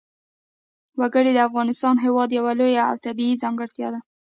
وګړي د افغانستان هېواد یوه لویه او طبیعي ځانګړتیا ده.